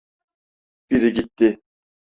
Biri gitti.